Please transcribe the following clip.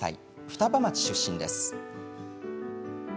双葉町出身です。